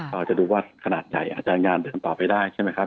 เราจะดูว่าขนาดใหญ่อาจจะงานเดินต่อไปได้ใช่ไหมครับ